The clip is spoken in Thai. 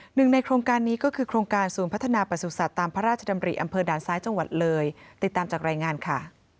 หนึ่งในโครงการนี้ก็คือโครงการศูนย์พัฒนาประสุทธิ์ตามพระราชดำริอำเภอด่านซ้ายจังหวัดเลยติดตามจากรายงานค่ะ